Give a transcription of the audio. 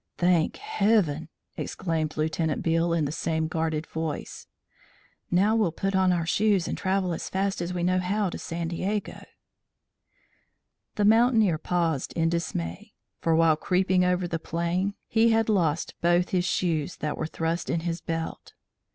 "Thank heaven!" exclaimed Lieutenant Beale in the same guarded voice. "Now we'll put on our shoes and travel as fast as we know how to San Diego " The mountaineer paused in dismay, for, while creeping over the plain, he had lost both his shoes that were thrust in his belt.